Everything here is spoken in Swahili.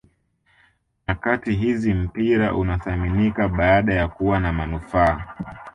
nyakati hizi mpira unathaminika baada ya kuwa na manufaa